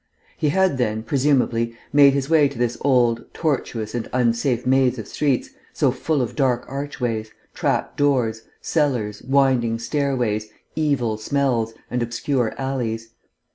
He had then, presumably, made his way to this old, tortuous and unsafe maze of streets, so full of dark archways, trap doors, cellars, winding stairways, evil smells, and obscure alleys.